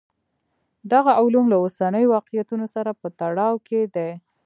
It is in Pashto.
دغه علوم له اوسنیو واقعیتونو سره په تړاو کې دي.